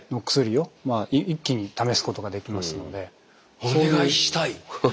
お願いしたい！